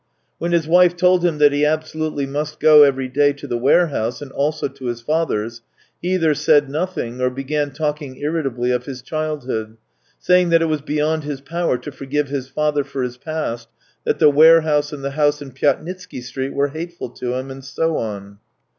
When his wife told him that he absolutely must, go every day to the warehouse and also to his father's, he either said nothing, or began talking irritably of his childhood, saying that it was beyond his power to forgive his father for his past, that the warehouse and the house in Pyatnitsky Street were hateful to him, and so on.